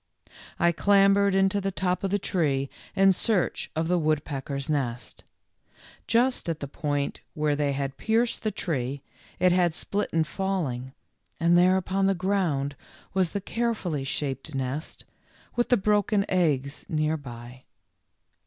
I clambered into the top of the tree in search of the woodpeckers' nest. Just at the point where they had pierced the tree it had split in falling, and there upon the ground was the carefully shaped nest, with the broken eggs near by.